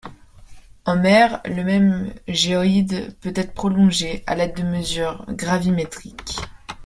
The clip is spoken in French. En mer, le même géoïde peut être prolongé à l'aide de mesures gravimétriques.